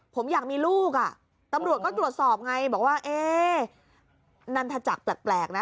ผมอยากมีลูกอ่ะตำรวจก็ตรวจสอบไงบอกว่าเอ๊นันทจักรแปลกนะ